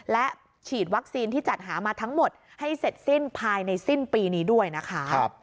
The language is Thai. และฉีดวัคซีนที่จัดหามาทั้งหมดให้เสร็จสิ้นภายในสิ้นปีนี้ด้วยนะคะ